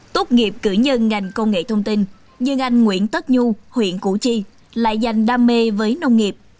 tốt nghiệp cử nhân ngành công nghệ thông tin nhưng anh nguyễn tất nhu huyện củ chi lại dành đam mê với nông nghiệp